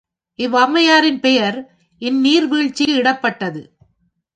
இவ்வம்மையாரின் பெயர் இந்நீர் வீழ்ச்சிக்கு இடப்பட்டது.